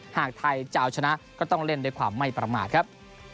หากไทยจะเอาชนะก็ต้องเล่นด้วยความไม่ประมาทครับ